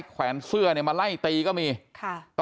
ใช่ค่ะถ่ายรูปส่งให้พี่ดูไหม